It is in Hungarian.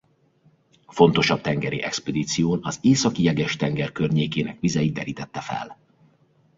Fontosabb tengeri expedíción az Északi Jeges-tenger környékének vizeit derítette fel.